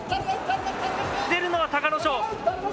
出るのは隆の勝。